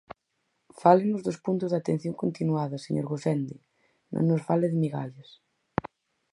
Fálenos dos puntos de atención continuada, señor Gosende; non nos fale de migallas.